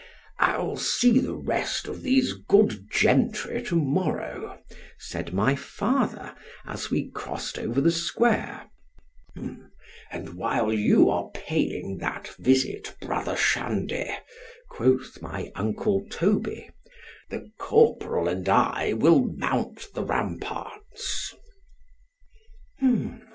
_ —I'll see the rest of these good gentry to morrow, said my father, as we cross'd over the square—And while you are paying that visit, brother Shandy, quoth my uncle Toby—the corporal and I will mount the ramparts.